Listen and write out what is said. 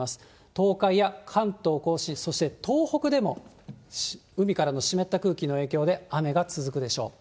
東海や関東甲信、そして東北でも、海からの湿った空気の影響で雨が続くでしょう。